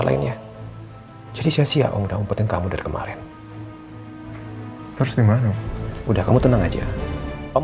lainnya jadi sia sia om udah umpetin kamu dari kemarin terus dimana om udah kamu tenang aja om